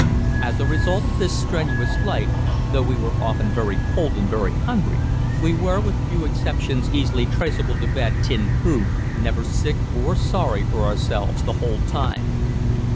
As a result of this strenuous life, though we were often very cold and very hungry, we were, with few exceptions easily traceable to bad tinned food, never sick or sorry for ourselves the whole time.